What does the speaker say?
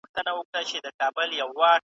دا سړی چي درته ځیر دی مخامخ په آیینه کي .